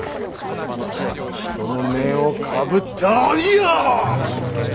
まさに人の面をかぶった鬼よ！